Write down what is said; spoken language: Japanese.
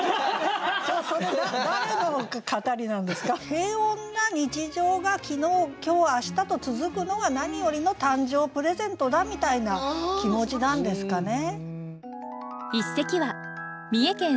平穏な日常が昨日今日明日と続くのが何よりの誕生プレゼントだみたいな気持ちなんですかね。